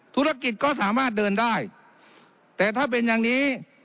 ธุรกิจก็สามารถเดินได้แต่ถ้าเป็นอย่างนี้